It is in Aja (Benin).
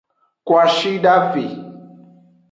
Kwashidave.